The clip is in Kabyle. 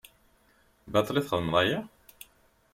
Baṭel i txeddmeḍ aya?